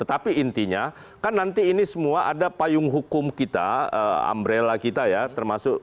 tetapi intinya kan nanti ini semua ada payung hukum kita ambrella kita ya termasuk